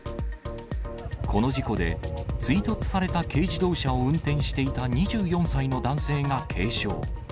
この事故で追突された軽自動車を運転していた２４歳の男性が軽傷。